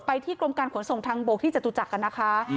ที่กรมการขนส่งทางบกที่จตุจักรกันนะคะ